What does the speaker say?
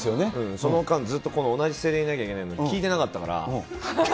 その間、ずっと同じ姿勢でいなきゃいけないの聞いてなかったから。